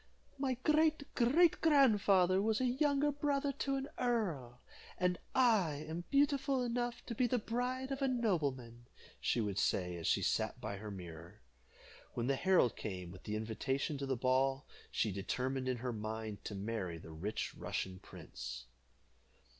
"My great great grandfather was younger brother to an earl, and I am beautiful enough to be the bride of a nobleman," she would say, as she sat by her mirror. When the herald came with the invitation to the ball, she determined in her mind to marry the rich Russian prince.